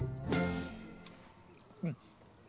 うん。